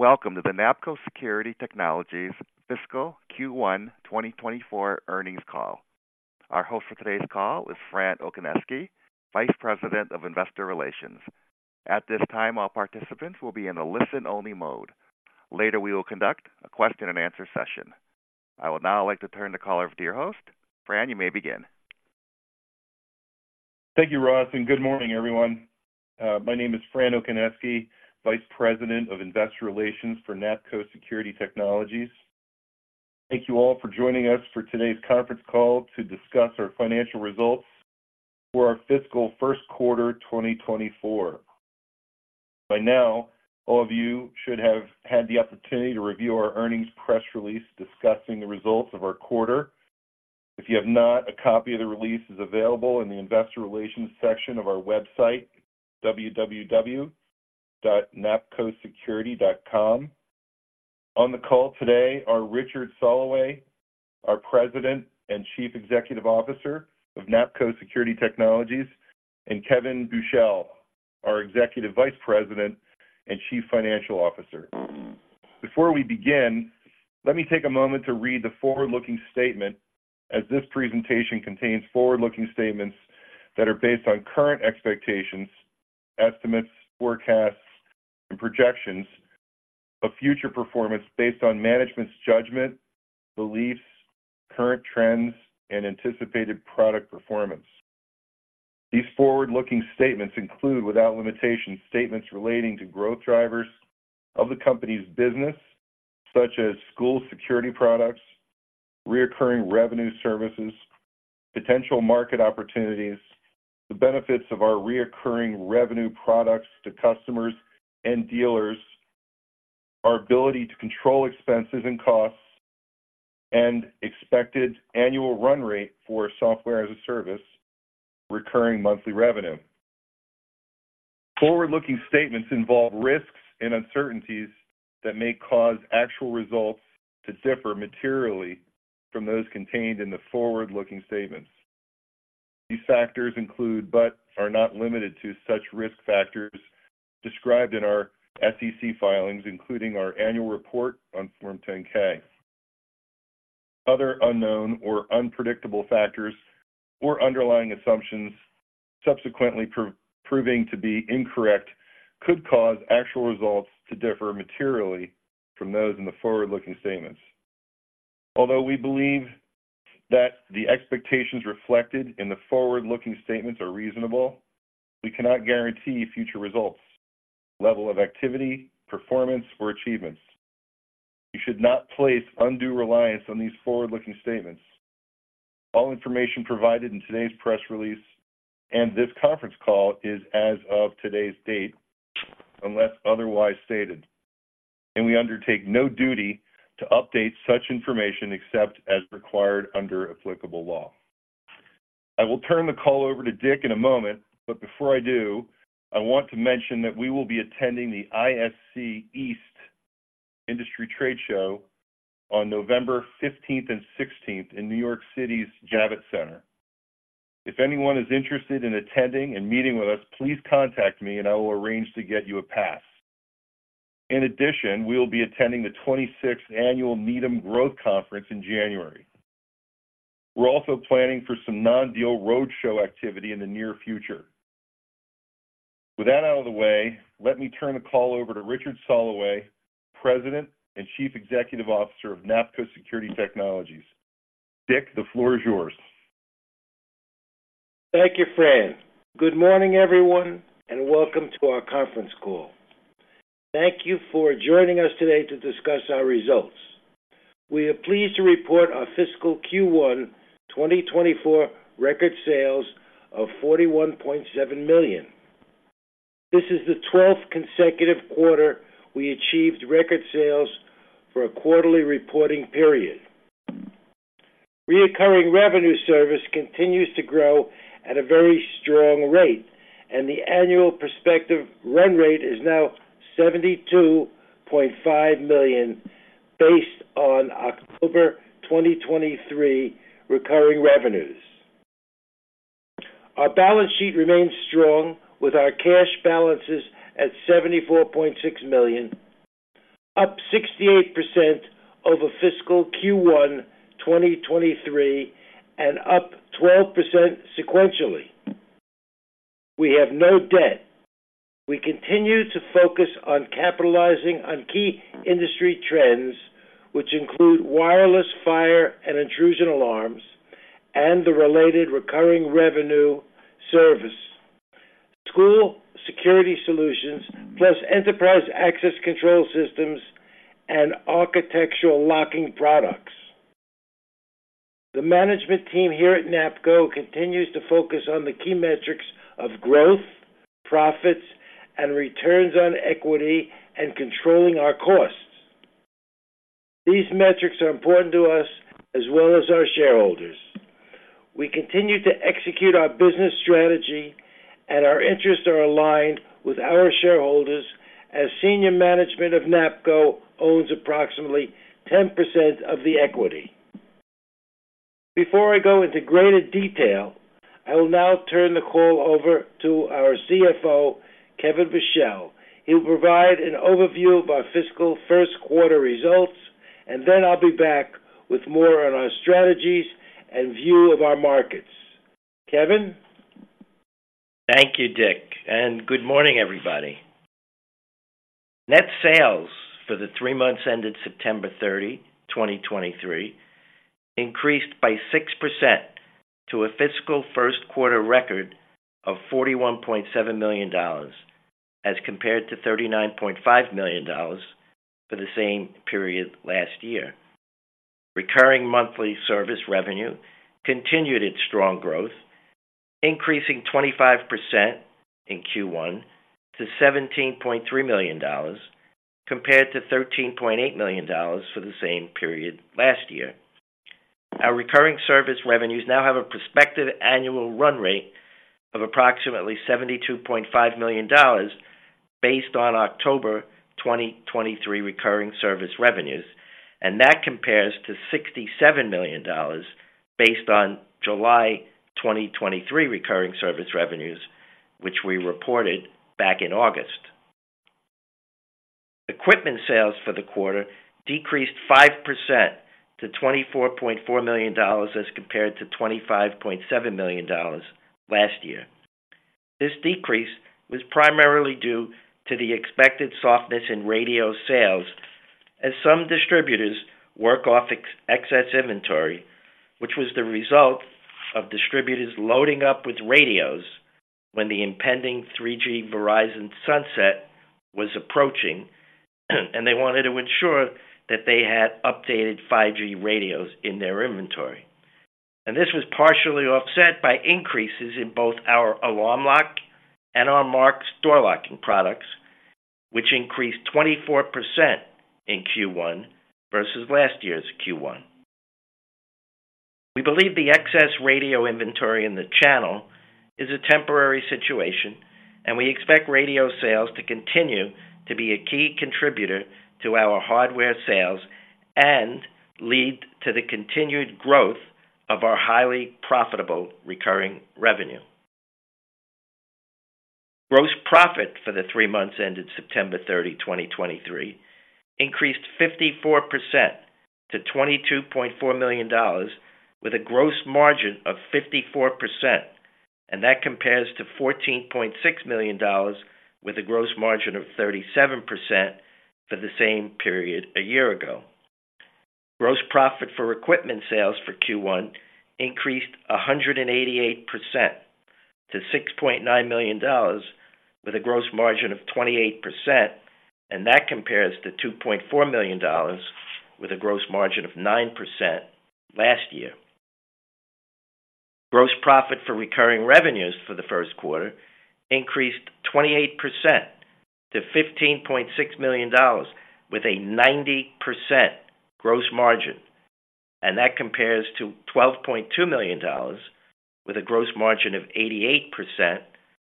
Welcome to the NAPCO Security Technologies Fiscal Q1 2024 Earnings Call. Our host for today's call is Fran Okoniewski, Vice President of Investor Relations. At this time, all participants will be in a listen-only mode. Later, we will conduct a question and answer session. I would now like to turn the call over to your host. Fran, you may begin. Thank you, Ross, and good morning, everyone. My name is Fran Okoniewski, Vice President of Investor Relations for NAPCO Security Technologies. Thank you all for joining us for today's conference call to discuss our financial results for our fiscal first quarter, 2024. By now, all of you should have had the opportunity to review our earnings press release discussing the results of our quarter. If you have not, a copy of the release is available in the Investor Relations section of our website, www.napcosecurity.com. On the call today are Richard Soloway, our President and Chief Executive Officer of NAPCO Security Technologies, and Kevin Buchel, our Executive Vice President and Chief Financial Officer. Before we begin, let me take a moment to read the forward-looking statement, as this presentation contains forward-looking statements that are based on current expectations, estimates, forecasts, and projections of future performance based on management's judgment, beliefs, current trends, and anticipated product performance. These forward-looking statements include, without limitation, statements relating to growth drivers of the company's business, such as school security products, recurring revenue services, potential market opportunities, the benefits of our recurring revenue products to customers and dealers, our ability to control expenses and costs, and expected annual run rate for software as a service, recurring monthly revenue. Forward-looking statements involve risks and uncertainties that may cause actual results to differ materially from those contained in the forward-looking statements. These factors include, but are not limited to, such risk factors described in our SEC filings, including our annual report on Form 10-K. Other unknown or unpredictable factors or underlying assumptions subsequently proving to be incorrect, could cause actual results to differ materially from those in the forward-looking statements. Although we believe that the expectations reflected in the forward-looking statements are reasonable, we cannot guarantee future results, level of activity, performance, or achievements. You should not place undue reliance on these forward-looking statements. All information provided in today's press release and this conference call is as of today's date, unless otherwise stated, and we undertake no duty to update such information except as required under applicable law. I will turn the call over to Dick in a moment, but before I do, I want to mention that we will be attending the ISC East Industry Trade Show on November fifteenth and sixteenth in New York City's Javits Center. If anyone is interested in attending and meeting with us, please contact me and I will arrange to get you a pass. In addition, we will be attending the twenty-sixth Annual Needham Growth Conference in January. We're also planning for some non-deal roadshow activity in the near future. With that out of the way, let me turn the call over to Richard Soloway, President and Chief Executive Officer of NAPCO Security Technologies. Dick, the floor is yours. Thank you, Fran. Good morning, everyone, and welcome to our conference call. Thank you for joining us today to discuss our results. We are pleased to report our fiscal Q1 2024 record sales of $41.7 million. This is the 12th consecutive quarter we achieved record sales for a quarterly reporting period. Recurring revenue service continues to grow at a very strong rate, and the annual prospective run rate is now $72.5 million, based on October 2023 recurring revenues. Our balance sheet remains strong, with our cash balances at $74.6 million, up 68% over fiscal Q1 2023, and up 12% sequentially. We have no debt. We continue to focus on capitalizing on key industry trends, which include wireless, fire, and intrusion alarms, and the related recurring revenue service, school security solutions, plus enterprise access control systems and architectural locking products. The management team here at NAPCO continues to focus on the key metrics of growth, profits, and returns on equity, and controlling our costs. These metrics are important to us as well as our shareholders. We continue to execute our business strategy and our interests are aligned with our shareholders, as senior management of NAPCO owns approximately 10% of the equity....Before I go into greater detail, I will now turn the call over to our CFO, Kevin Buchel. He'll provide an overview of our fiscal first quarter results, and then I'll be back with more on our strategies and view of our markets. Kevin? Thank you, Dick, and good morning, everybody. Net sales for the three months ended September 30, 2023, increased by 6% to a fiscal first quarter record of $41.7 million, as compared to $39.5 million for the same period last year. Recurring monthly service revenue continued its strong growth, increasing 25% in Q1 to $17.3 million, compared to $13.8 million for the same period last year. Our recurring service revenues now have a prospective annual run rate of approximately $72.5 million, based on October 2023 recurring service revenues, and that compares to $67 million based on July 2023 recurring service revenues, which we reported back in August. Equipment sales for the quarter decreased 5% to $24.4 million, as compared to $25.7 million last year. This decrease was primarily due to the expected softness in radio sales as some distributors work off excess inventory, which was the result of distributors loading up with radios when the impending 3G Verizon sunset was approaching, and they wanted to ensure that they had updated 5G radios in their inventory. This was partially offset by increases in both our Alarm Lock and our Marks door locking products, which increased 24% in Q1 versus last year's Q1. We believe the excess radio inventory in the channel is a temporary situation, and we expect radio sales to continue to be a key contributor to our hardware sales and lead to the continued growth of our highly profitable recurring revenue. Gross profit for the three months ended September 30, 2023, increased 54% to $22.4 million, with a gross margin of 54%, and that compares to $14.6 million, with a gross margin of 37% for the same period a year ago. Gross profit for equipment sales for Q1 increased 188% to $6.9 million, with a gross margin of 28%, and that compares to $2.4 million with a gross margin of 9% last year. Gross profit for recurring revenues for the first quarter increased 28% to $15.6 million, with a 90% gross margin, and that compares to $12.2 million with a gross margin of 88%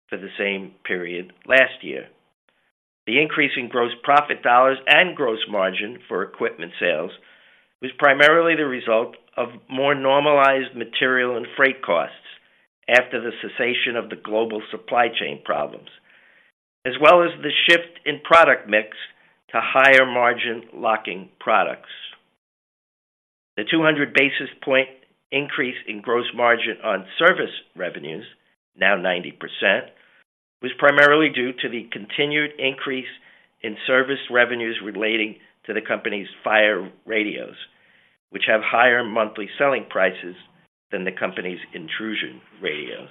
for the same period last year. The increase in gross profit dollars and gross margin for equipment sales was primarily the result of more normalized material and freight costs after the cessation of the global supply chain problems, as well as the shift in product mix to higher margin locking products. The 200 basis point increase in gross margin on service revenues, now 90%, was primarily due to the continued increase in service revenues relating to the company's fire radios, which have higher monthly selling prices than the company's intrusion radios.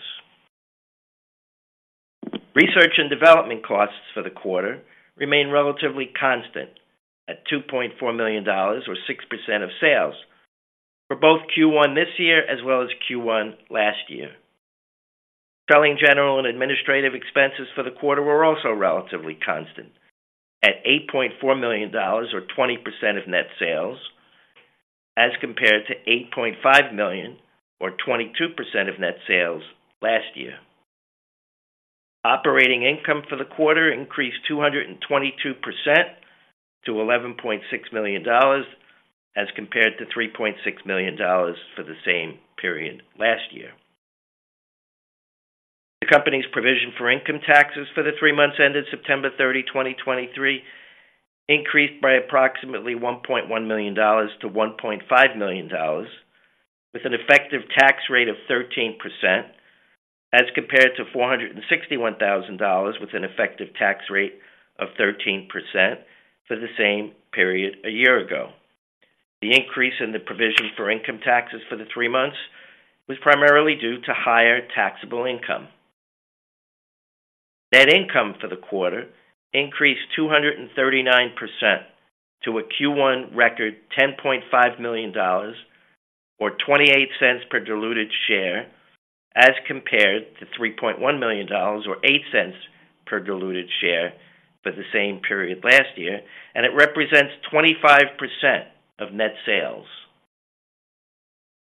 Research and development costs for the quarter remain relatively constant at $2.4 million, or 6% of sales, for both Q1 this year as well as Q1 last year. Selling general and administrative expenses for the quarter were also relatively constant at $8.4 million, or 20% of net sales, as compared to $8.5 million, or 22% of net sales last year. Operating income for the quarter increased 222% to $11.6 million, as compared to $3.6 million for the same period last year. The company's provision for income taxes for the three months ended September 30, 2023, increased by approximately $1.1 million-$1.5 million, with an effective tax rate of 13%, as compared to $461,000, with an effective tax rate of 13% for the same period a year ago. The increase in the provision for income taxes for the three months was primarily due to higher taxable income. Net income for the quarter increased 239% to a Q1 record $10.5 million, or 28 cents per diluted share, as compared to $3.1 million, or 8 cents per diluted share for the same period last year, and it represents 25% of net sales.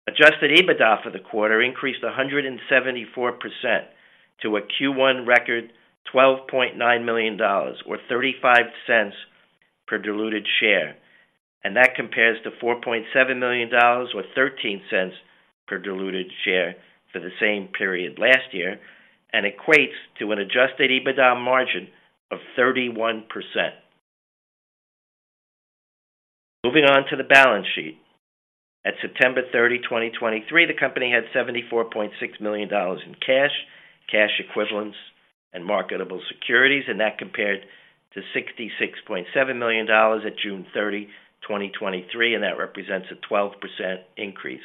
Adjusted EBITDA for the quarter increased 174% to a Q1 record $12.9 million, or 35 cents per diluted share, and that compares to $4.7 million or 13 cents per diluted share for the same period last year, and equates to an Adjusted EBITDA margin of 31%. Moving on to the balance sheet. At September 30, 2023, the company had $74.6 million in cash, cash equivalents, and marketable securities, and that compared to $66.7 million at June 30, 2023, and that represents a 12% increase.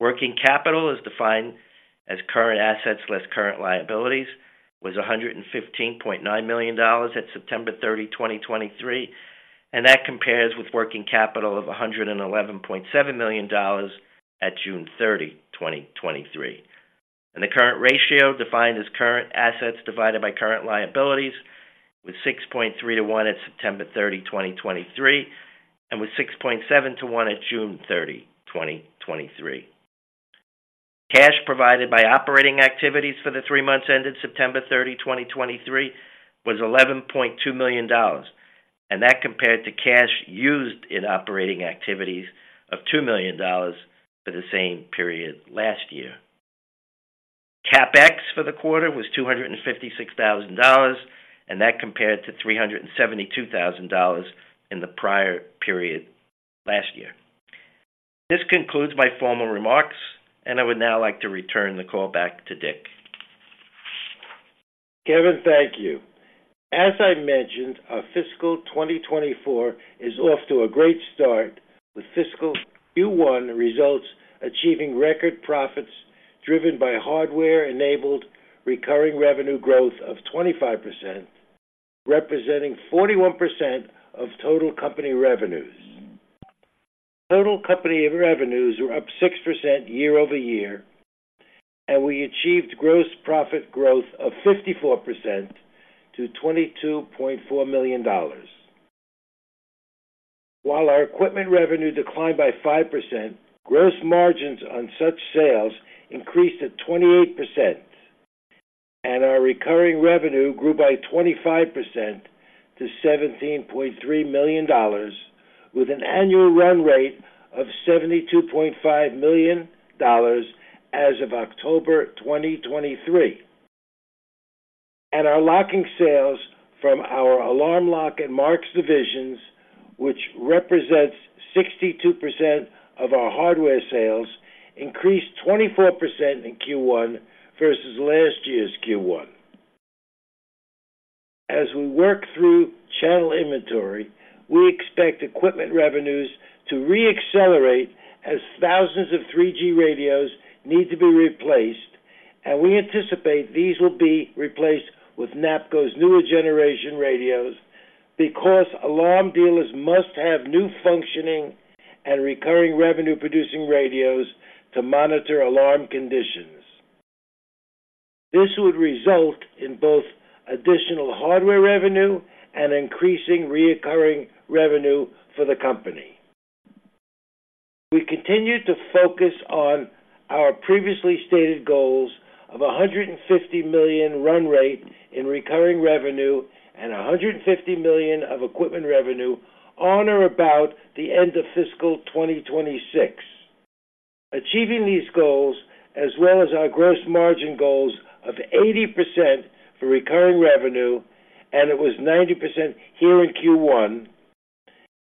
Working capital is defined as current assets less current liabilities, was $115.9 million at September 30, 2023, and that compares with working capital of $111.7 million at June 30, 2023. The current ratio, defined as current assets divided by current liabilities, was 6.3-1 at September 30, 2023, and was 6.7-1 at June 30, 2023. Cash provided by operating activities for the three months ended September 30, 2023, was $11.2 million, and that compared to cash used in operating activities of $2 million for the same period last year. CapEx for the quarter was $256,000, and that compared to $372,000 in the prior period last year. This concludes my formal remarks, and I would now like to return the call back to Dick. Kevin, thank you. As I mentioned, our fiscal 2024 is off to a great start, with fiscal Q1 results achieving record profits driven by hardware-enabled recurring revenue growth of 25%, representing 41% of total company revenues. Total company revenues were up 6% year-over-year, and we achieved gross profit growth of 54% to $22.4 million. While our equipment revenue declined by 5%, gross margins on such sales increased to 28%, and our recurring revenue grew by 25% to $17.3 million, with an annual run rate of $72.5 million as of October 2023. Our locking sales from our Alarm Lock and Marks divisions, which represents 62% of our hardware sales, increased 24% in Q1 versus last year's Q1. As we work through channel inventory, we expect equipment revenues to re-accelerate as thousands of 3G radios need to be replaced, and we anticipate these will be replaced with NAPCO's newer generation radios because alarm dealers must have new functioning and recurring revenue-producing radios to monitor alarm conditions. This would result in both additional hardware revenue and increasing recurring revenue for the company. We continue to focus on our previously stated goals of a $150 million run rate in recurring revenue and $150 million of equipment revenue on or about the end of fiscal 2026. Achieving these goals, as well as our gross margin goals of 80% for recurring revenue, and it was 90% here in Q1,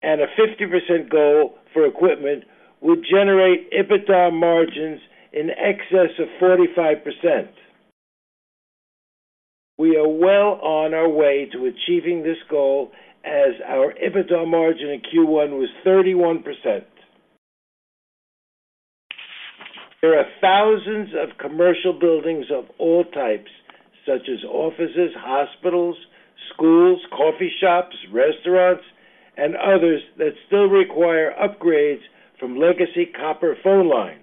and a 50% goal for equipment, would generate EBITDA margins in excess of 45%. We are well on our way to achieving this goal as our EBITDA margin in Q1 was 31%. There are thousands of commercial buildings of all types, such as offices, hospitals, schools, coffee shops, restaurants, and others that still require upgrades from legacy copper phone lines.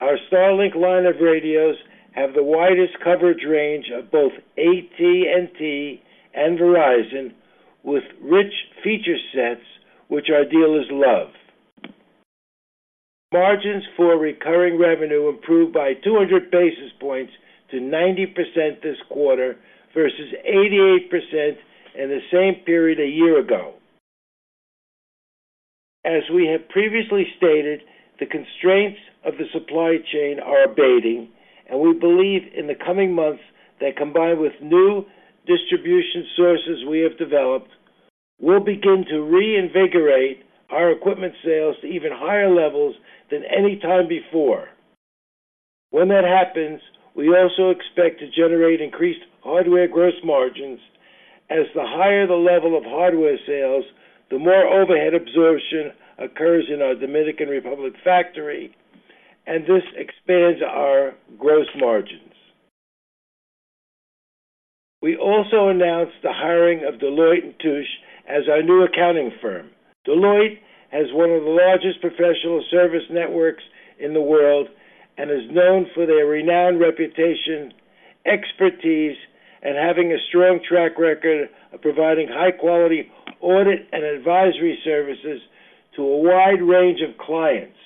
Our StarLink line of radios have the widest coverage range of both AT&T and Verizon, with rich feature sets which our dealers love. Margins for recurring revenue improved by 200 basis points to 90% this quarter versus 88% in the same period a year ago. As we have previously stated, the constraints of the supply chain are abating, and we believe in the coming months that, combined with new distribution sources we have developed, will begin to reinvigorate our equipment sales to even higher levels than any time before. When that happens, we also expect to generate increased hardware gross margins as the higher the level of hardware sales, the more overhead absorption occurs in our Dominican Republic factory, and this expands our gross margins. We also announced the hiring of Deloitte & Touche as our new accounting firm. Deloitte has one of the largest professional service networks in the world and is known for their renowned reputation, expertise, and having a strong track record of providing high quality audit and advisory services to a wide range of clients.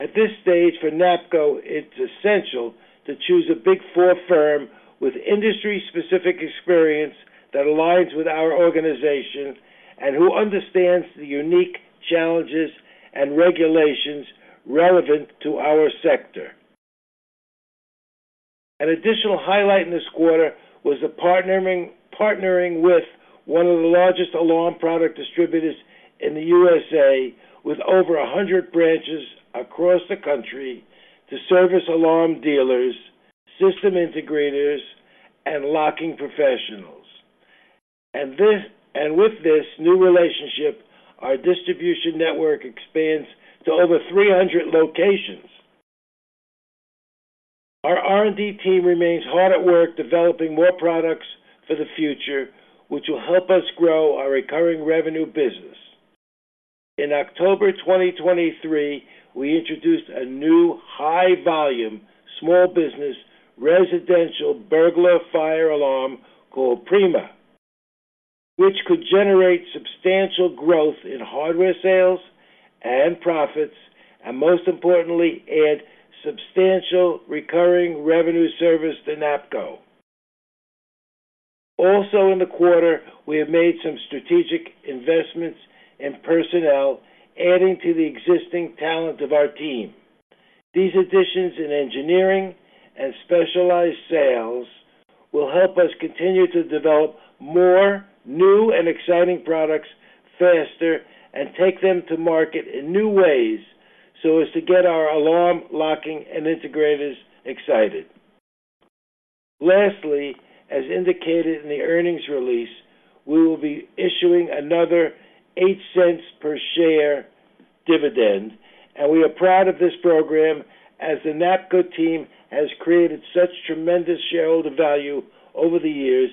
...At this stage, for NAPCO, it's essential to choose a Big Four firm with industry-specific experience that aligns with our organization and who understands the unique challenges and regulations relevant to our sector. An additional highlight in this quarter was the partnering with one of the largest alarm product distributors in the USA, with over 100 branches across the country to service alarm dealers, system integrators, and locking professionals. And with this new relationship, our distribution network expands to over 300 locations. Our R&D team remains hard at work, developing more products for the future, which will help us grow our recurring revenue business. In October 2023, we introduced a new high-volume, small business, residential burglar fire alarm called Prima, which could generate substantial growth in hardware sales and profits, and most importantly, add substantial recurring revenue service to NAPCO. Also, in the quarter, we have made some strategic investments in personnel, adding to the existing talent of our team. These additions in engineering and specialized sales will help us continue to develop more new and exciting products faster and take them to market in new ways so as to get our alarm, locking, and integrators excited. Lastly, as indicated in the earnings release, we will be issuing another $0.08 per share dividend, and we are proud of this program, as the NAPCO team has created such tremendous shareholder value over the years,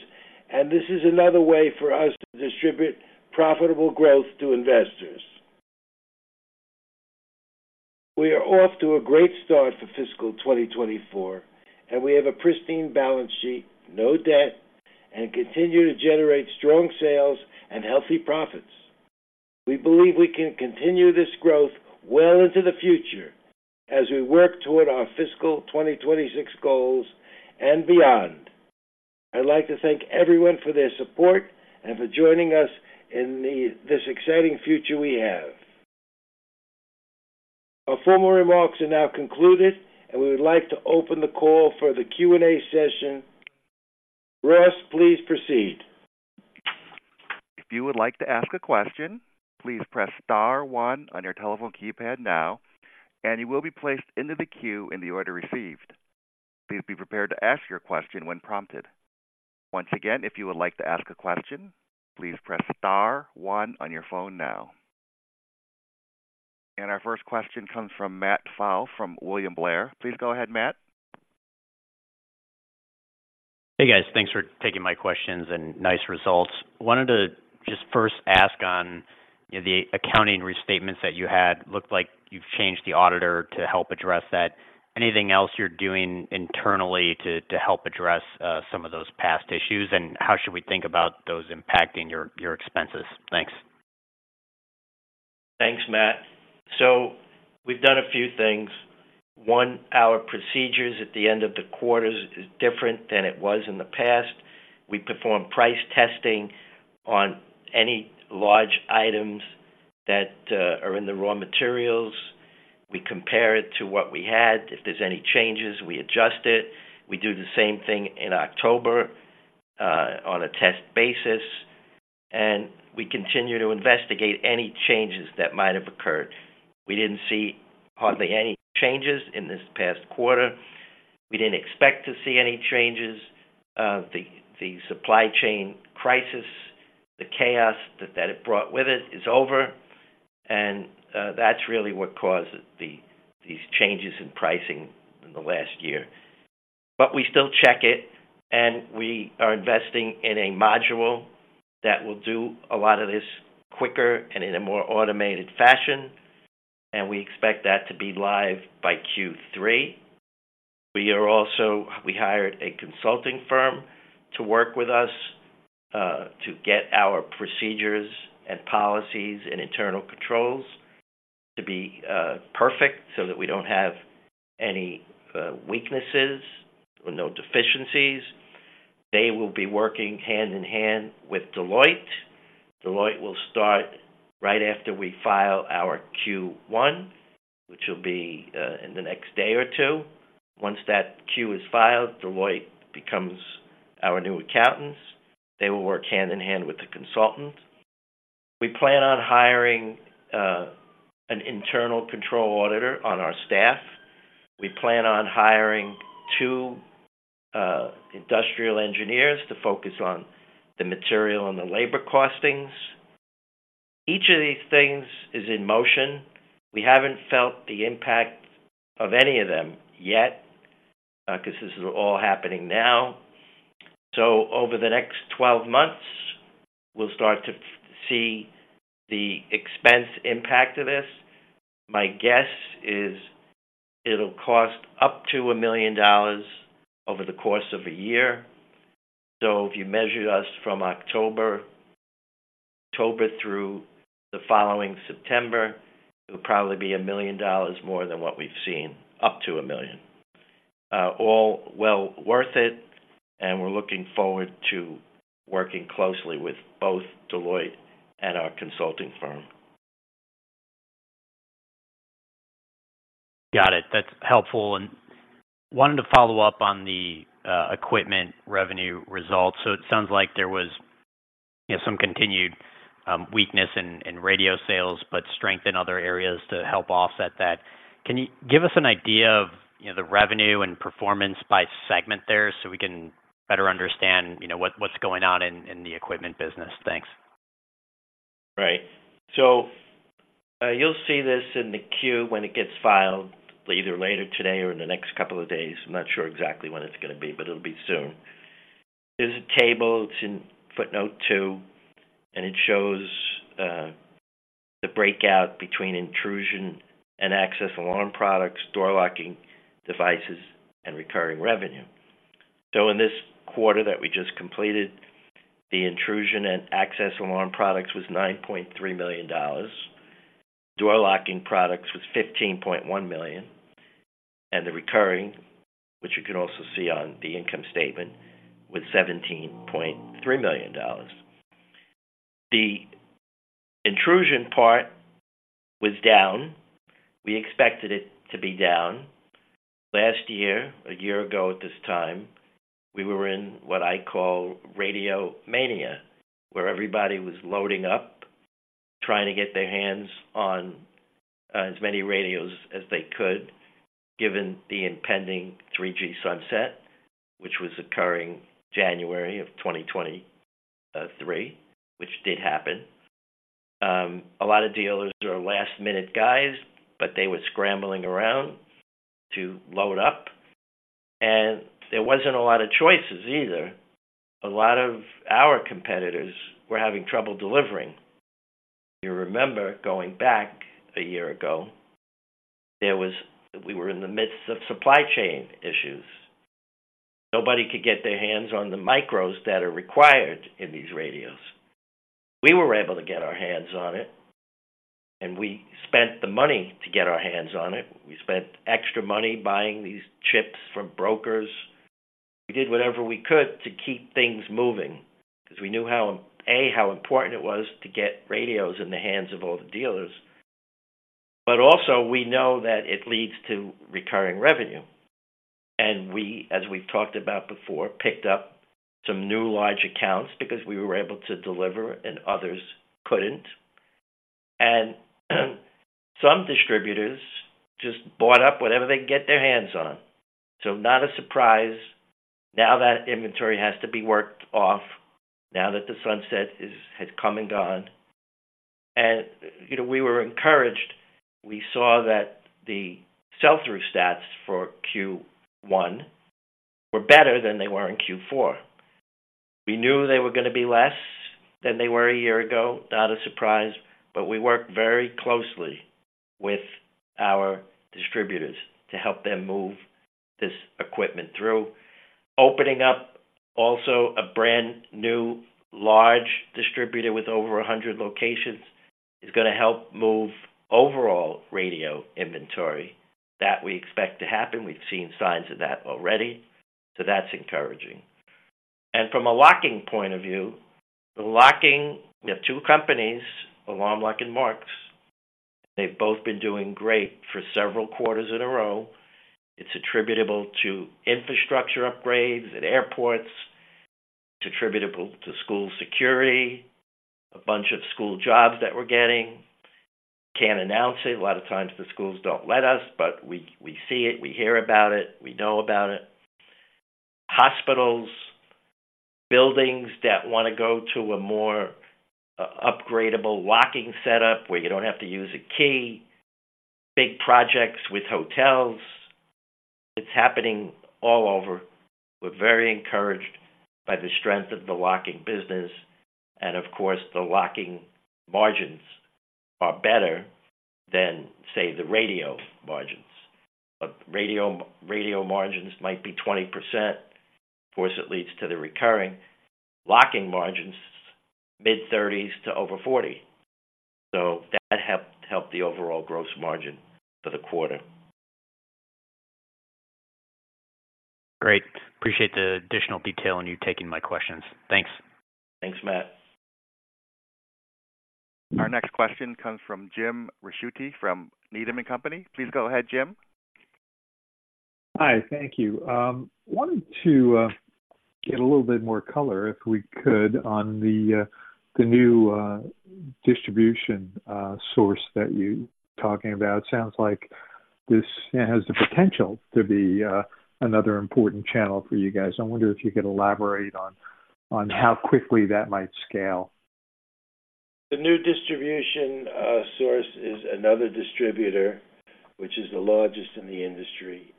and this is another way for us to distribute profitable growth to investors. We are off to a great start for fiscal 2024, and we have a pristine balance sheet, no debt, and continue to generate strong sales and healthy profits. We believe we can continue this growth well into the future as we work toward our fiscal 2026 goals and beyond. I'd like to thank everyone for their support and for joining us in this exciting future we have. Our formal remarks are now concluded, and we would like to open the call for the Q&A session. Russ, please proceed. If you would like to ask a question, please press star one on your telephone keypad now, and you will be placed into the queue in the order received. Please be prepared to ask your question when prompted. Once again, if you would like to ask a question, please press star one on your phone now. Our first question comes from Matt Pfau from William Blair. Please go ahead, Matt. Hey, guys. Thanks for taking my questions and nice results. Wanted to just first ask on the accounting restatements that you had. Looked like you've changed the auditor to help address that. Anything else you're doing internally to help address some of those past issues, and how should we think about those impacting your expenses? Thanks. Thanks, Matt. So we've done a few things. One, our procedures at the end of the quarter is different than it was in the past. We perform price testing on any large items that are in the raw materials. We compare it to what we had. If there's any changes, we adjust it. We do the same thing in October on a test basis, and we continue to investigate any changes that might have occurred. We didn't see hardly any changes in this past quarter. We didn't expect to see any changes. The supply chain crisis, the chaos that it brought with it is over, and that's really what caused these changes in pricing in the last year. But we still check it, and we are investing in a module that will do a lot of this quicker and in a more automated fashion, and we expect that to be live by Q3. We hired a consulting firm to work with us to get our procedures and policies and internal controls to be perfect so that we don't have any weaknesses or no deficiencies. They will be working hand in hand with Deloitte. Deloitte will start right after we file our Q1, which will be in the next day or two. Once that Q is filed, Deloitte becomes our new accountants. They will work hand in hand with the consultant. We plan on hiring an internal control auditor on our staff. We plan on hiring 2 industrial engineers to focus on the material and the labor costings. Each of these things is in motion. We haven't felt the impact of any of them yet, because this is all happening now. So over the next 12 months, we'll start to see the expense impact of this. My guess is it'll cost up to $1 million over the course of a year. So if you measured us from October through the following September, it'll probably be $1 million more than what we've seen, up to $1 million. All well worth it, and we're looking forward to working closely with both Deloitte and our consulting firm. Got it. That's helpful, and wanted to follow up on the equipment revenue results. So it sounds like there was, you know, some continued weakness in radio sales, but strength in other areas to help offset that. Can you give us an idea of, you know, the revenue and performance by segment there so we can better understand, you know, what's going on in the equipment business? Thanks. Right. So, you'll see this in the queue when it gets filed, either later today or in the next couple of days. I'm not sure exactly when it's gonna be, but it'll be soon. There's a table, it's in footnote 2, and it shows the breakout between intrusion and access alarm products, door locking devices, and recurring revenue. So in this quarter that we just completed, the intrusion and access alarm products was $9.3 million. Door locking products was $15.1 million, and the recurring, which you can also see on the income statement, was $17.3 million. The intrusion part was down. We expected it to be down. Last year, a year ago at this time, we were in what I call radio mania, where everybody was loading up, trying to get their hands on as many radios as they could, given the impending 3G sunset, which was occurring January of 2023, which did happen. A lot of dealers are last-minute guys, but they were scrambling around to load up, and there wasn't a lot of choices either. A lot of our competitors were having trouble delivering. You remember, going back a year ago, we were in the midst of supply chain issues. Nobody could get their hands on the micros that are required in these radios. We were able to get our hands on it, and we spent the money to get our hands on it. We spent extra money buying these chips from brokers. We did whatever we could to keep things moving, 'cause we knew how, A, how important it was to get radios in the hands of all the dealers, but also we know that it leads to recurring revenue. And we, as we've talked about before, picked up some new large accounts because we were able to deliver and others couldn't. And, some distributors just bought up whatever they could get their hands on. So not a surprise. Now, that inventory has to be worked off now that the sunset is, has come and gone. And, you know, we were encouraged. We saw that the sell-through stats for Q1 were better than they were in Q4. We knew they were gonna be less than they were a year ago, not a surprise, but we worked very closely with our distributors to help them move this equipment through. Opening up also a brand-new, large distributor with over 100 locations is gonna help move overall radio inventory. That we expect to happen. We've seen signs of that already, so that's encouraging. And from a locking point of view, the locking... We have two companies, Alarm Lock and Marks. They've both been doing great for several quarters in a row. It's attributable to infrastructure upgrades at airports. It's attributable to school security, a bunch of school jobs that we're getting. Can't announce it. A lot of times the schools don't let us, but we see it, we hear about it, we know about it. Hospitals, buildings that wanna go to a more upgradable locking setup, where you don't have to use a key, big projects with hotels. It's happening all over. We're very encouraged by the strength of the locking business, and of course, the locking margins are better than, say, the radio margins. But radio, radio margins might be 20%. Of course, it leads to the recurring locking margins, mid-30s%-over 40%. So that helped, helped the overall gross margin for the quarter. Great. Appreciate the additional detail and you taking my questions. Thanks. Thanks, Matt. Our next question comes from Jim Ricchiuti from Needham & Company. Please go ahead, Jim. Hi, thank you. Wanted to get a little bit more color, if we could, on the new distribution source that you're talking about. Sounds like this has the potential to be another important channel for you guys. I wonder if you could elaborate on how quickly that might scale. The new distribution source is another distributor, which is the largest in the industry.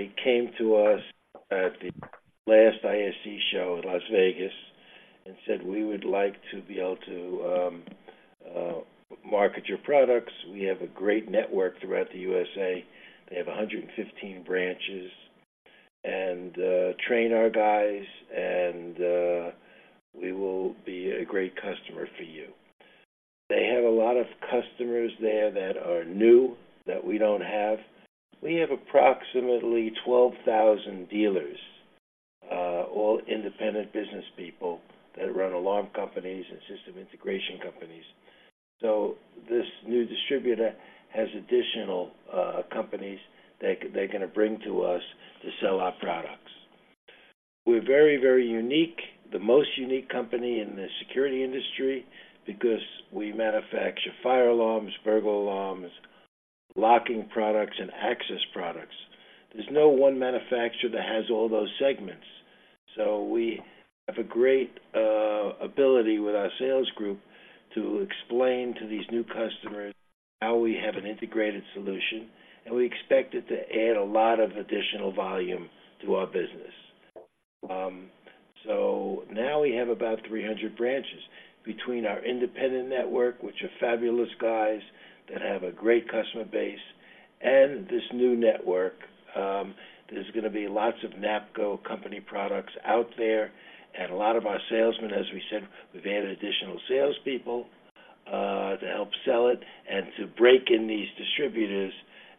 They came to us at the last ISC West show in Las Vegas and said, "We would like to be able to market your products. We have a great network throughout the USA." They have 115 branches.... and train our guys, and we will be a great customer for you. They have a lot of customers there that are new, that we don't have. We have approximately 12,000 dealers, all independent business people that run alarm companies and system integration companies. So this new distributor has additional companies they, they're gonna bring to us to sell our products. We're very, very unique, the most unique company in the security industry because we manufacture fire alarms, burglar alarms, locking products, and access products. There's no one manufacturer that has all those segments, so we have a great ability with our sales group to explain to these new customers how we have an integrated solution, and we expect it to add a lot of additional volume to our business. So now we have about 300 branches between our independent network, which are fabulous guys that have a great customer base, and this new network. There's gonna be lots of NAPCO company products out there, and a lot of our salesmen, as we said, we've added additional salespeople, to help sell it and to break in these distributors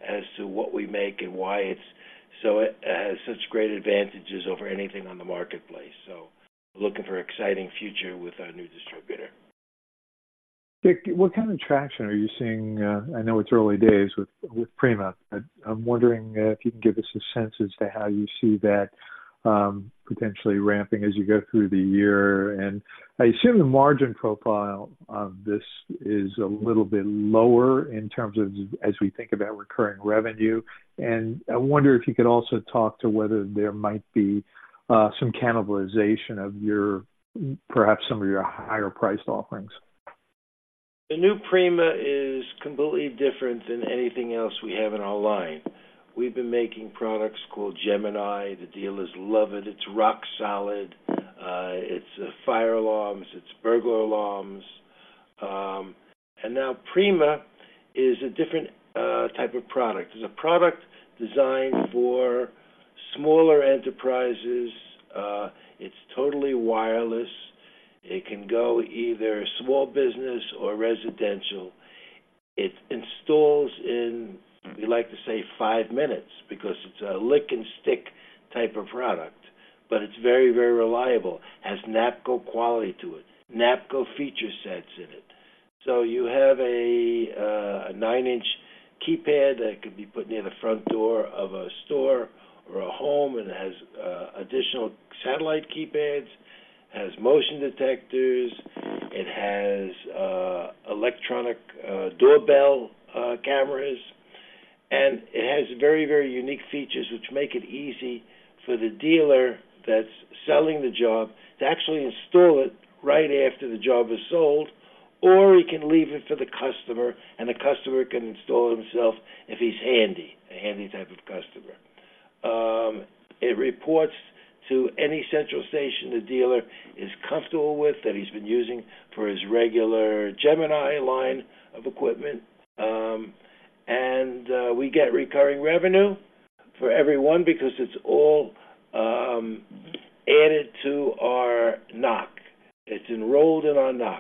as to what we make and why it's so, has such great advantages over anything on the marketplace. So looking for exciting future with our new distributor. Dick, what kind of traction are you seeing? I know it's early days with, with Prima, but I'm wondering if you can give us a sense as to how you see that potentially ramping as you go through the year. And I assume the margin profile of this is a little bit lower in terms of as we think about recurring revenue. And I wonder if you could also talk to whether there might be some cannibalization of your, perhaps some of your higher priced offerings. The new Prima is completely different than anything else we have in our line. We've been making products called Gemini. The dealers love it. It's rock solid. It's fire alarms, it's burglar alarms. And now Prima is a different type of product. It's a product designed for smaller enterprises. It's totally wireless. It can go either small business or residential. It installs in, we like to say, five minutes because it's a lick-and-stick type of product, but it's very, very reliable. Has NAPCO quality to it, NAPCO feature sets in it. So you have a nine-inch keypad that could be put near the front door of a store or a home, and it has additional satellite keypads, has motion detectors, it has electronic doorbell cameras. It has very, very unique features which make it easy for the dealer that's selling the job to actually install it right after the job is sold. Or he can leave it to the customer, and the customer can install himself if he's handy, a handy type of customer. It reports to any central station the dealer is comfortable with, that he's been using for his regular Gemini line of equipment. And we get recurring revenue for everyone because it's all added to our NOC. It's enrolled in our NOC,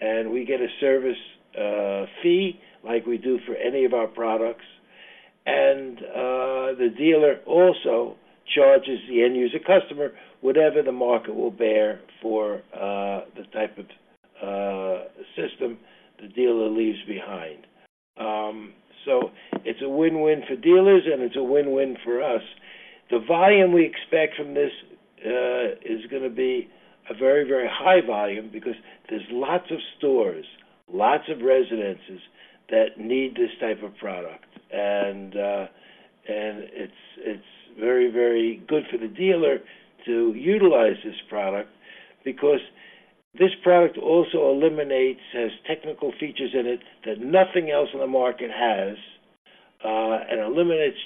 and we get a service fee, like we do for any of our products. The dealer also charges the end user customer whatever the market will bear for the type of system the dealer leaves behind. So it's a win-win for dealers, and it's a win-win for us. The volume we expect from this is gonna be a very, very high volume because there's lots of stores, lots of residences that need this type of product. And it's very, very good for the dealer to utilize this product because this product also eliminates, has technical features in it that nothing else on the market has, and eliminates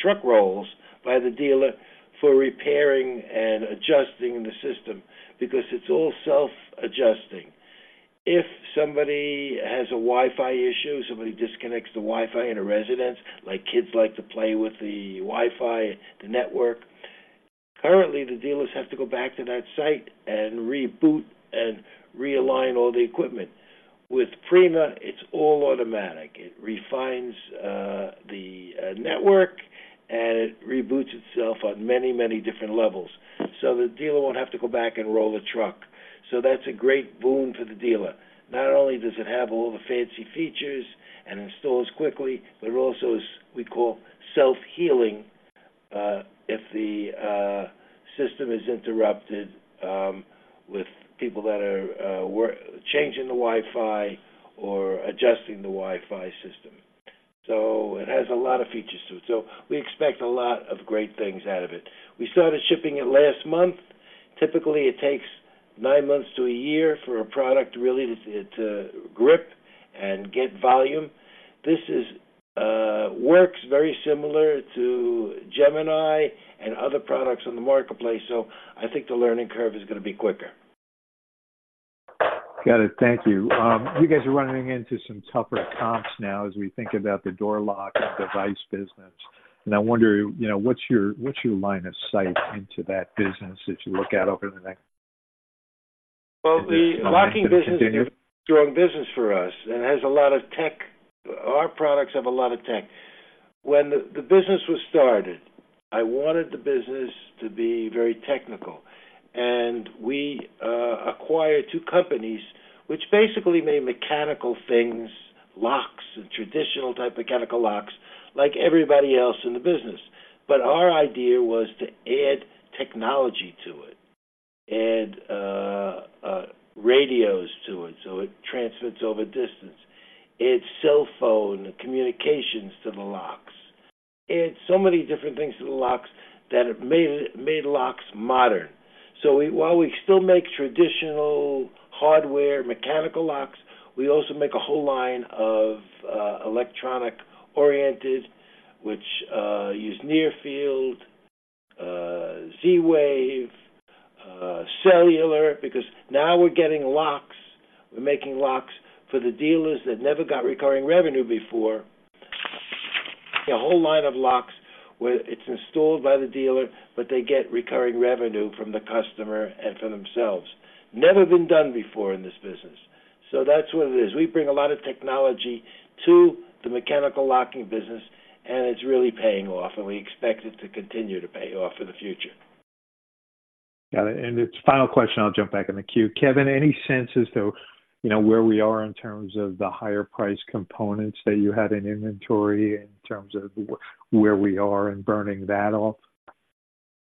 truck rolls by the dealer for repairing and adjusting the system because it's all self-adjusting. If somebody has a Wi-Fi issue, somebody disconnects the Wi-Fi in a residence, like, kids like to play with the Wi-Fi, the network. Currently, the dealers have to go back to that site and reboot and realign all the equipment. With Prima, it's all automatic. It refines the network, and it reboots itself on many, many different levels. So the dealer won't have to go back and roll the truck. So that's a great boon for the dealer. Not only does it have all the fancy features and installs quickly, but it also is, we call, self-healing, if the system is interrupted, with people that are changing the Wi-Fi or adjusting the Wi-Fi system. So it has a lot of features to it, so we expect a lot of great things out of it. We started shipping it last month. Typically, it takes nine months to a year for a product really to grip and get volume. This works very similar to Gemini and other products on the marketplace, so I think the learning curve is gonna be quicker.... Got it. Thank you. You guys are running into some tougher comps now as we think about the door lock and device business. I wonder, you know, what's your, what's your line of sight into that business as you look out over the next? Well, the locking business is a strong business for us and has a lot of tech. Our products have a lot of tech. When the business was started, I wanted the business to be very technical, and we acquired two companies which basically made mechanical things, locks, and traditional type of mechanical locks like everybody else in the business. But our idea was to add technology to it, add radios to it, so it transmits over distance. Add cell phone communications to the locks. Add so many different things to the locks that it made locks modern. So while we still make traditional hardware, mechanical locks, we also make a whole line of electronic-oriented, which use near-field, Z-Wave, cellular, because now we're getting locks. We're making locks for the dealers that never got recurring revenue before. A whole line of locks, where it's installed by the dealer, but they get recurring revenue from the customer and for themselves. Never been done before in this business. So that's what it is. We bring a lot of technology to the mechanical locking business, and it's really paying off, and we expect it to continue to pay off in the future. Got it. And it's final question, I'll jump back in the queue. Kevin, any sense as to, you know, where we are in terms of the higher price components that you had in inventory, in terms of where we are in burning that off?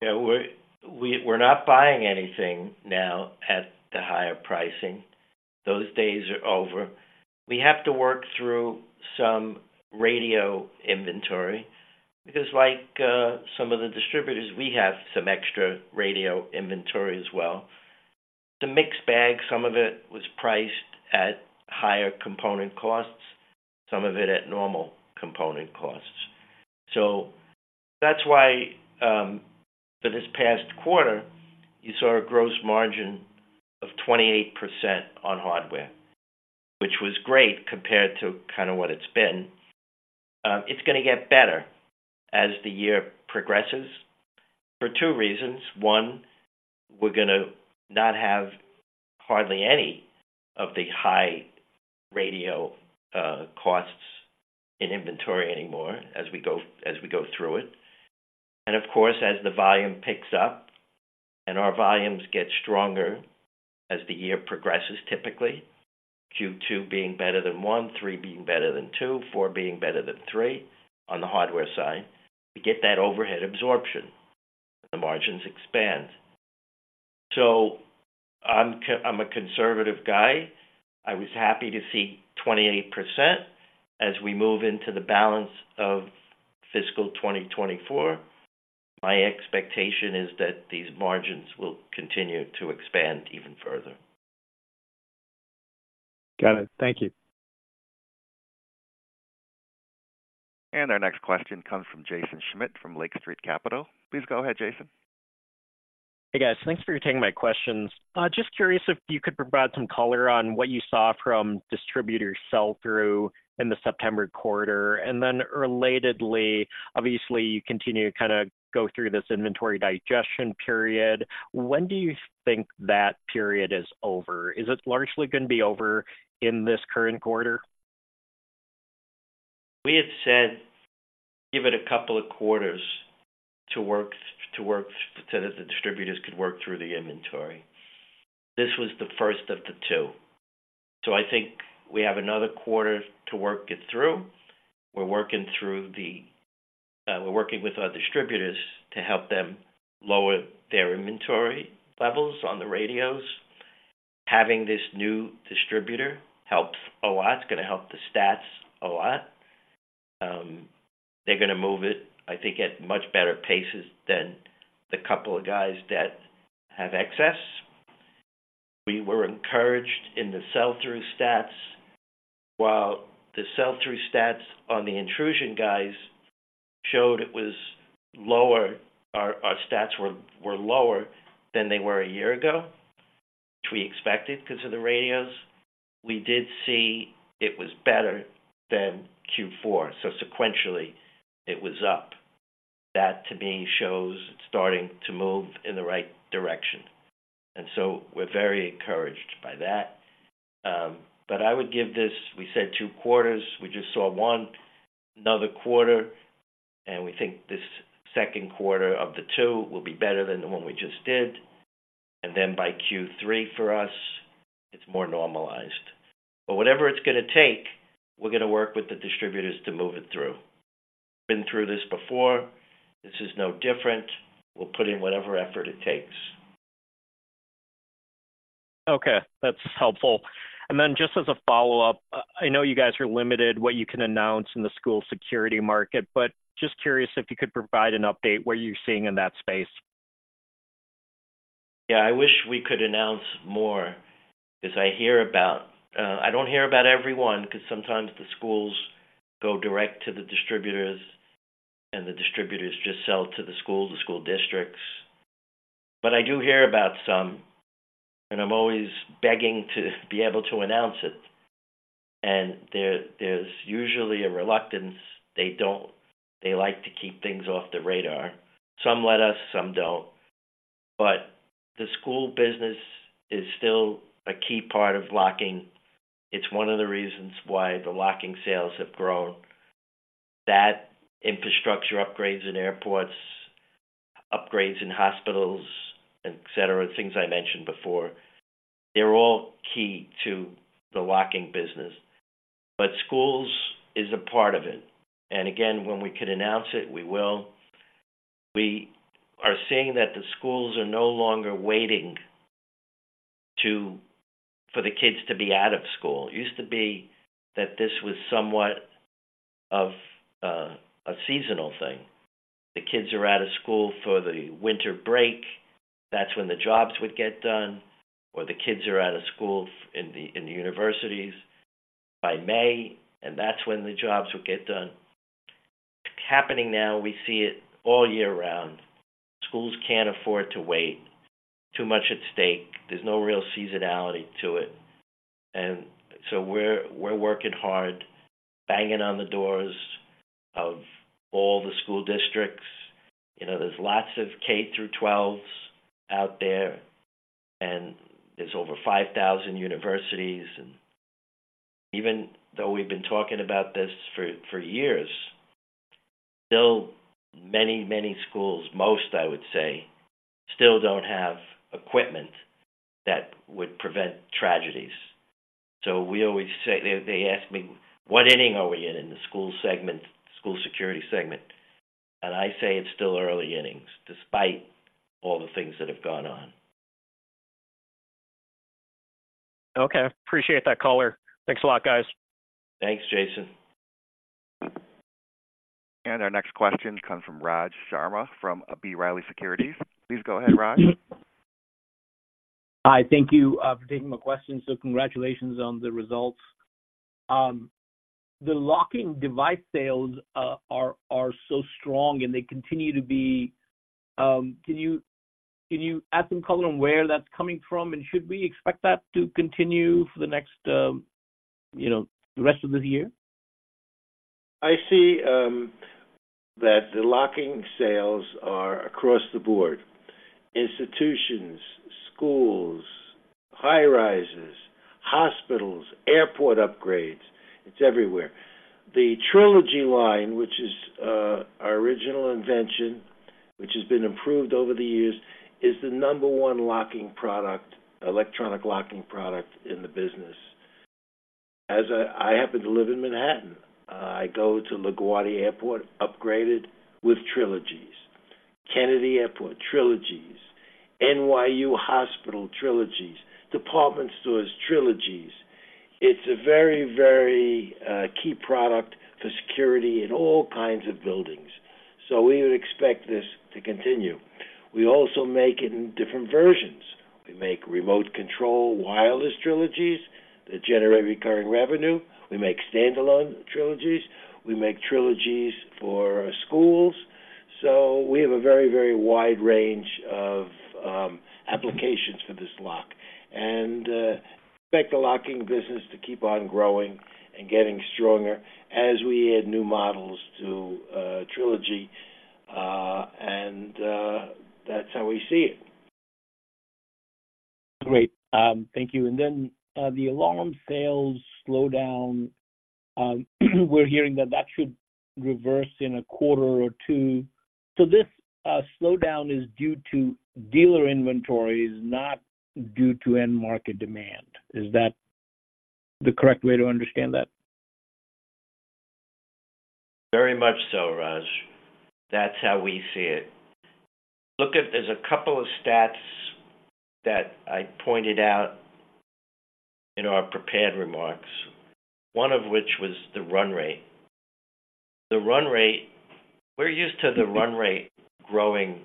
Yeah, we're not buying anything now at the higher pricing. Those days are over. We have to work through some radio inventory because, like, some of the distributors, we have some extra radio inventory as well. It's a mixed bag. Some of it was priced at higher component costs, some of it at normal component costs. So that's why, for this past quarter, you saw a Gross Margin of 28% on hardware, which was great compared to kind of what it's been. It's gonna get better as the year progresses for two reasons: one, we're gonna not have hardly any of the high radio costs in inventory anymore as we go through it. And of course, as the volume picks up and our volumes get stronger as the year progresses, typically, Q2 being better than one, three being better than two, four being better than three on the hardware side, we get that overhead absorption, the margins expand. So I'm a conservative guy. I was happy to see 28%. As we move into the balance of fiscal 2024, my expectation is that these margins will continue to expand even further. Got it. Thank you. Our next question comes from Jaeson Schmidt, from Lake Street Capital. Please go ahead, Jaeson. Hey, guys. Thanks for taking my questions. Just curious if you could provide some color on what you saw from distributor sell-through in the September quarter. And then relatedly, obviously, you continue to kinda go through this inventory digestion period. When do you think that period is over? Is it largely gonna be over in this current quarter? We had said, give it a couple of quarters to work so that the distributors could work through the inventory. This was the first of the 2. So I think we have another quarter to work it through. We're working with our distributors to help them lower their inventory levels on the radios. Having this new distributor helps a lot. It's gonna help the stats a lot. They're gonna move it, I think, at much better paces than the couple of guys that have excess. We were encouraged in the sell-through stats. While the sell-through stats on the intrusion guys showed it was lower, our stats were lower than they were a year ago, which we expected because of the radios. We did see it was better than Q4, so sequentially, it was up. That, to me, shows it's starting to move in the right direction, and so we're very encouraged by that. But I would give this, we said two quarters. We just saw one, another quarter, and we think this second quarter of the two will be better than the one we just did, and then by Q3 for us, it's more normalized. But whatever it's gonna take, we're gonna work with the distributors to move it through. Been through this before, this is no different. We'll put in whatever effort it takes. Okay, that's helpful. And then just as a follow-up, I know you guys are limited what you can announce in the school security market, but just curious if you could provide an update, what are you seeing in that space? Yeah, I wish we could announce more because I hear about... I don't hear about everyone, because sometimes the schools go direct to the distributors... and the distributors just sell to the schools, the school districts. But I do hear about some, and I'm always begging to be able to announce it, and there, there's usually a reluctance. They don't. They like to keep things off the radar. Some let us, some don't. But the school business is still a key part of locking. It's one of the reasons why the locking sales have grown. That infrastructure upgrades in airports, upgrades in hospitals, et cetera, things I mentioned before, they're all key to the locking business, but schools is a part of it, and again, when we can announce it, we will. We are seeing that the schools are no longer waiting to... for the kids to be out of school. It used to be that this was somewhat of a seasonal thing. The kids are out of school for the winter break. That's when the jobs would get done, or the kids are out of school in the universities by May, and that's when the jobs would get done. Happening now, we see it all year round. Schools can't afford to wait, too much at stake. There's no real seasonality to it, and so we're working hard, banging on the doors of all the school districts. You know, there's lots of K through 12s out there, and there's over 5,000 universities. And even though we've been talking about this for years, still many, many schools, most I would say, still don't have equipment that would prevent tragedies. So we always say... They, they ask me, "What inning are we in, in the school segment, school security segment?" And I say, "It's still early innings, despite all the things that have gone on. Okay. Appreciate that, caller. Thanks a lot, guys. Thanks, Jason. Our next question comes from Raj Sharma, from B. Riley Securities. Please go ahead, Raj. Hi. Thank you for taking my question. So congratulations on the results. The locking device sales are so strong, and they continue to be. Can you add some color on where that's coming from? And should we expect that to continue for the next, you know, the rest of the year? I see, that the locking sales are across the board: institutions, schools, high-rises, hospitals, airport upgrades. It's everywhere. The Trilogy line, which is, our original invention, which has been improved over the years, is the number one locking product, electronic locking product in the business. As I, I happen to live in Manhattan, I go to LaGuardia Airport, upgraded with Trilogies, Kennedy Airport, Trilogies, NYU Hospital, Trilogies, department stores, Trilogies. It's a very, very, key product for security in all kinds of buildings, so we would expect this to continue. We also make it in different versions. We make remote control wireless Trilogies that generate recurring revenue. We make standalone Trilogies. We make Trilogies for schools, so we have a very, very wide range of applications for this lock, and expect the locking business to keep on growing and getting stronger as we add new models to Trilogy. That's how we see it. Great. Thank you. And then, the alarm sales slowdown, we're hearing that that should reverse in a quarter or two. So this slowdown is due to dealer inventories, not due to end-market demand. Is that the correct way to understand that? Very much so, Raj. That's how we see it. Look at... There's a couple of stats that I pointed out in our prepared remarks, one of which was the run rate. The run rate, we're used to the run rate growing,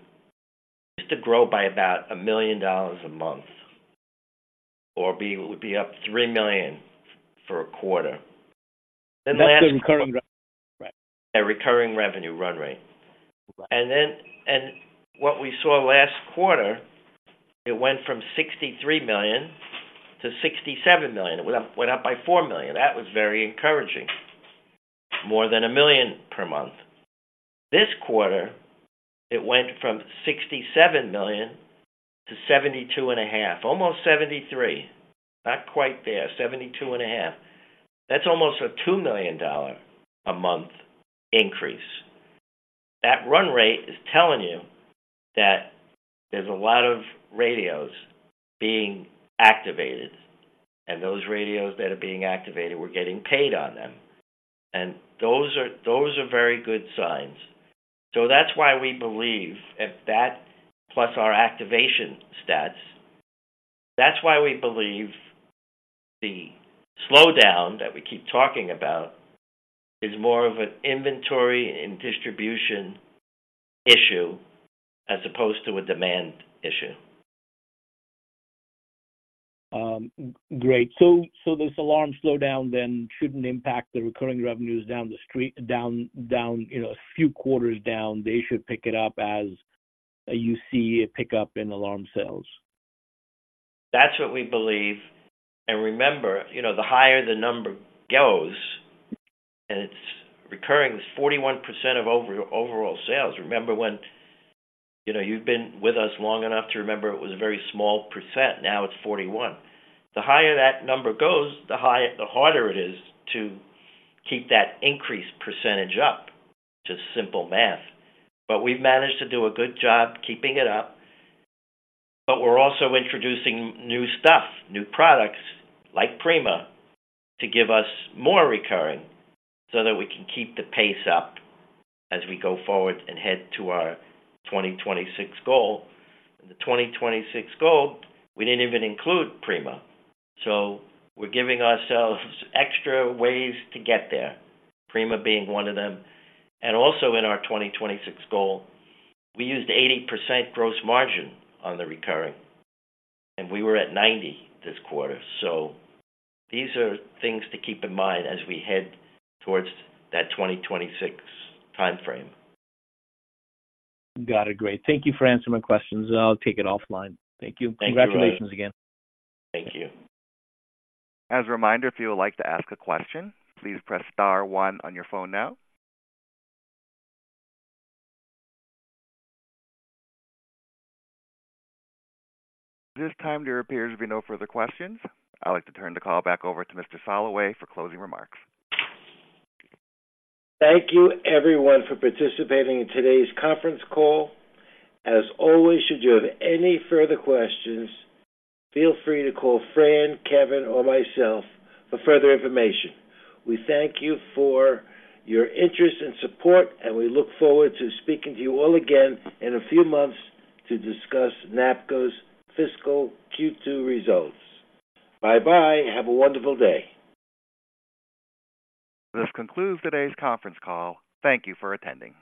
used to grow by about $1 million a month, or be, would be up $3 million for a quarter. That's the recurring revenue, right? A recurring revenue run rate. Right. And then what we saw last quarter, it went from $63 million-$67 million. It went up, went up by $4 million. That was very encouraging, more than $1 million per month. This quarter, it went from $67 million-$72.5 million, almost $73 million. Not quite there, $72.5 million. That's almost a $2 million a month increase. That run rate is telling you that there's a lot of radios being activated, and those radios that are being activated, we're getting paid on them, and those are, those are very good signs. So that's why we believe, if that plus our activation stats, that's why we believe the slowdown that we keep talking about is more of an inventory and distribution issue as opposed to a demand issue.... Great. So, so this alarm slowdown then shouldn't impact the recurring revenues down the street, down, down, you know, a few quarters down, they should pick it up as you see a pickup in alarm sales? That's what we believe. And remember, you know, the higher the number goes, and it's recurring, it's 41% of overall sales. Remember when, you know, you've been with us long enough to remember it was a very small percent. Now it's 41%. The higher that number goes, the harder it is to keep that increased percentage up. Just simple math. But we've managed to do a good job keeping it up, but we're also introducing new stuff, new products like Prima, to give us more recurring so that we can keep the pace up as we go forward and head to our 2026 goal. The 2026 goal, we didn't even include Prima, so we're giving ourselves extra ways to get there, Prima being one of them. Also in our 2026 goal, we used 80% gross margin on the recurring, and we were at 90% this quarter. So these are things to keep in mind as we head towards that 2026 timeframe. Got it. Great. Thank you for answering my questions. I'll take it offline. Thank you. Thank you. Congratulations again. Thank you. As a reminder, if you would like to ask a question, please press star one on your phone now. At this time, there appears to be no further questions. I'd like to turn the call back over to Mr. Soloway for closing remarks. Thank you, everyone, for participating in today's conference call. As always, should you have any further questions, feel free to call Fran, Kevin, or myself for further information. We thank you for your interest and support, and we look forward to speaking to you all again in a few months to discuss NAPCO's fiscal Q2 results. Bye-bye. Have a wonderful day. This concludes today's conference call. Thank you for attending.